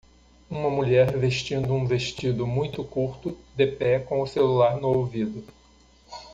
Uma mulher vestindo um vestido muito curto, de pé com o celular no ouvido.